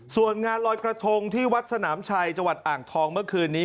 ส่วนงานลอยกระทงที่วัดสนามชัยจังหวัดอ่างทองเมื่อคืนนี้